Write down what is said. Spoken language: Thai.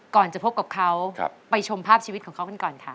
ก่อนจะพบกับเขาไปชมภาพชีวิตของเขากันก่อนค่ะ